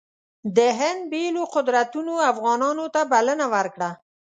د هند بېلو قدرتونو افغانانو ته بلنه ورکړه.